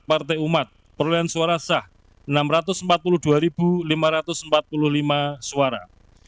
empat partai umat perolehan suara sah enam ratus empat puluh dua lima ratus empat puluh lima suara